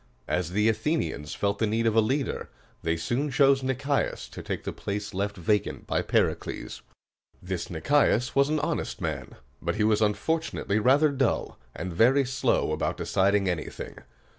As the Athenians felt the need of a leader, they soon chose Nic´ias to take the place left vacant by Pericles. This Nicias was an honest man; but he was unfortunately rather dull, and very slow about deciding anything.